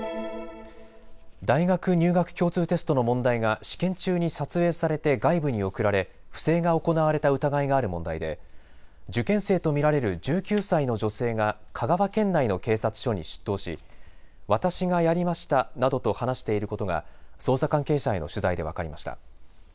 大学入学共通テストの問題が試験中に撮影されて外部に送られ不正が行われた疑いがある問題で受験生と見られる１９歳の女性が香川県内の警察署に出頭し私がやりましたなどと話していることが捜査関係者への取材で分かりました。